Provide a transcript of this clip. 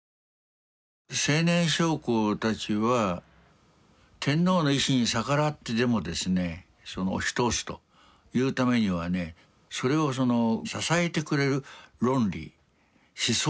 青年将校たちは天皇の意志に逆らってでもですね押し通すというためにはねそれを支えてくれる論理思想が欲しいわけです。